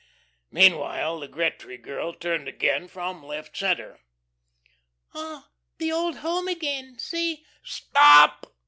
Meanwhile the Gretry girl turned again from left centre. "'Ah, the old home again. See '" "Stop!"